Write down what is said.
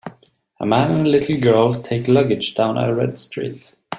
A man and a little girl take luggage down a red street.